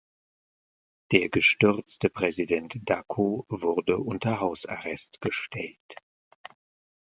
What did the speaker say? Der gestürzte Präsident Dacko wurde unter Hausarrest gestellt.